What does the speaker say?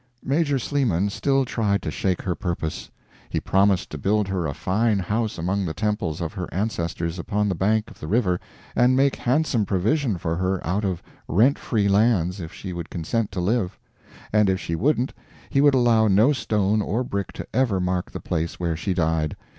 Major Sleeman still tried to shake her purpose. He promised to build her a fine house among the temples of her ancestors upon the bank of the river and make handsome provision for her out of rent free lands if she would consent to live; and if she wouldn't he would allow no stone or brick to ever mark the place where she died.